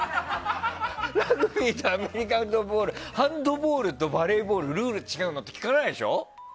ラグビーとアメリカンフットボールハンドボールとバレーボールルール違うの？って聞かないでしょ。